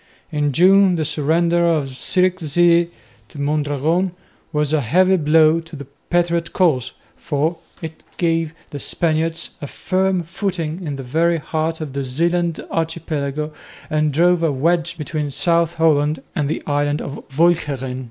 In June the surrender of Zierikzee to Mondragon was a heavy blow to the patriot cause, for it gave the Spaniards a firm footing in the very heart of the Zeeland archipelago and drove a wedge between South Holland and the island of Walcheren.